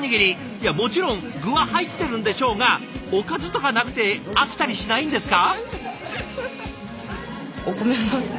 いやもちろん具は入ってるんでしょうがおかずとかなくて飽きたりしないんですか？